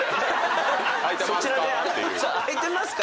空いてますか？